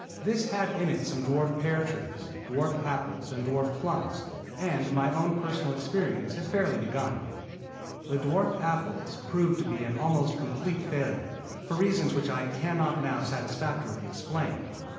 This had in it some dwarf pear trees, dwarf apples and dwarf plums, and my own personal experience had fairly begun. The dwarf apples proved to be an almost complete failure, for reasons which I can not now satisfactorily explain.